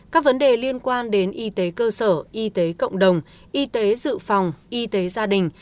các vấn đề liên quan đến y tế cơ sở y tế cộng đồng y tế dự phòng y tế gia đình